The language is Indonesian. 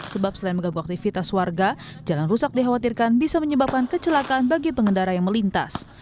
sebab selain mengganggu aktivitas warga jalan rusak dikhawatirkan bisa menyebabkan kecelakaan bagi pengendara yang melintas